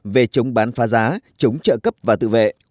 về chống bán phá giá chống trợ cấp và tự vệ